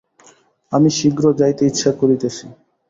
আমি শীঘ্র যাইতে ইচ্ছা করিতেছি।